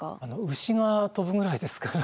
牛が飛ぶぐらいですから。